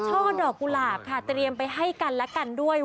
ช่อดอกกุหลาบค่ะเตรียมไปให้กันและกันด้วย